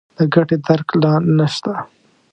د ګټې درک لا نه شته.